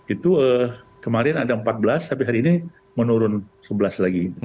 itu kemarin ada empat belas tapi hari ini menurun sebelas lagi